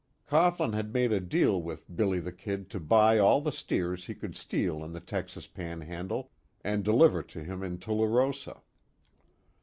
Cohglin had made a deal with "Billy the Kid" to buy all the steers he could steal in the Texas Panhandle, and deliver to him in Tularosa.